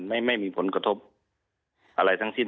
ไม่มีผลกระทบอะไรทั้งสิ้น